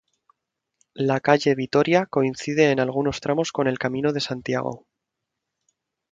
La calle Vitoria coincide en algunos tramos con el Camino de Santiago.